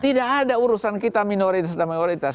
tidak ada urusan kita minoritas dan minoritas